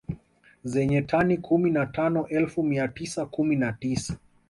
Zenye tani kumi na tano elfu mia tisa kumi na tisa